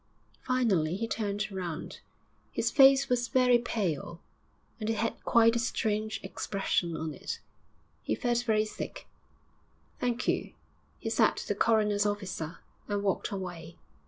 Finally he turned round, his face was very pale, and it had quite a strange expression on it; he felt very sick. 'Thank you!' he said to the coroner's officer, and walked away.